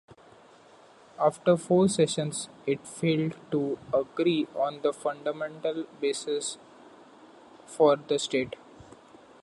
After four sessions, it failed to agree on the fundamental basis for the state.